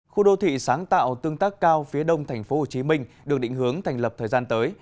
khu đô thị sáng tạo tương tác cao phía đông tp hcm được định hướng thành lập thời gian tới